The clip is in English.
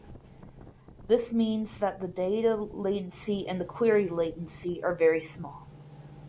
This means that the data latency and query latency are very small.